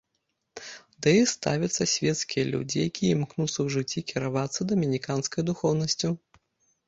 Да яе ставяцца свецкія людзі, якія імкнуцца ў жыцці кіравацца дамініканскай духоўнасцю.